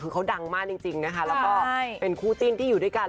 คือเขาดังมากจริงนะคะแล้วก็เป็นคู่จิ้นที่อยู่ด้วยกัน